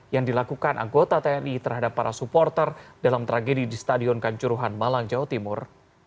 yang dilakukan anggota tni terhadap para supporter dalam tragedi di stadion kanjuruhan malang jawa timur